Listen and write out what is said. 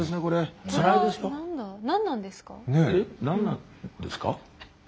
「何なんですか？」。